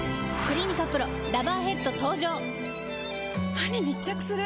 歯に密着する！